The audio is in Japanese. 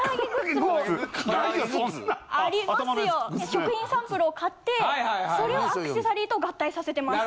食品サンプルを買ってそれをアクセサリーと合体させてます。